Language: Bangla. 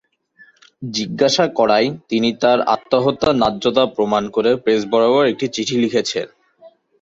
জিজ্ঞাসা করায়, তিনি তার আত্মহত্যার ন্যায্যতা প্রমাণ করে প্রেস বরাবর একটি চিঠি লিখেছেন।